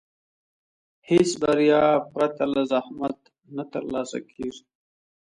هېڅ بریا پرته له زحمت نه ترلاسه کېږي.